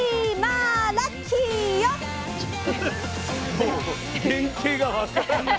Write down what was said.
もう原形が分からない。